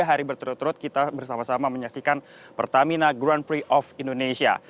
tiga hari berturut turut kita bersama sama menyaksikan pertamina grand prix of indonesia